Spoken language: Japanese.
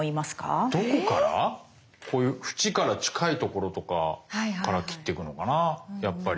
こういう縁から近いところとかから切ってくのかなやっぱり。